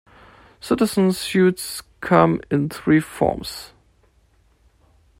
Citizen suits come in three forms.